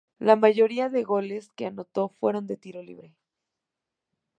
La mayoría de goles que anotó fueron de tiro libre.